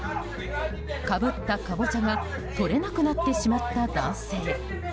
かぶったカボチャが取れなくなってしまった男性。